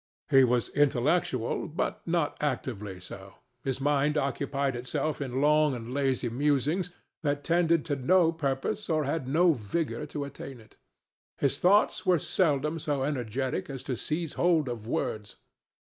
He was intellectual, but not actively so; his mind occupied itself in long and lazy musings that tended to no purpose or had not vigor to attain it; his thoughts were seldom so energetic as to seize hold of words.